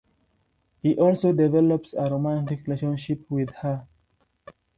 He also develops a romantic relationship with her.